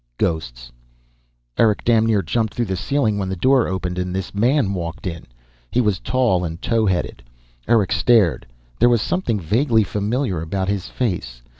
Ghosts. Eric damned near jumped through the ceiling when the door opened and this man walked in. He was tall and towheaded. Eric stared; there was something vaguely familiar about his face.